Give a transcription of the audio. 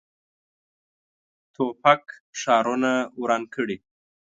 توپک ښارونه وران کړي.